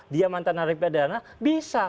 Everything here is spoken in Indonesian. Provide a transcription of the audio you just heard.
dia mantanara pidana bisa